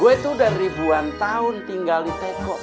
gue itu udah ribuan tahun tinggal di teko